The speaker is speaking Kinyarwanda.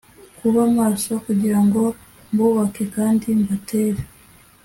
kuba maso kugira ngo mbubake kandi mbatere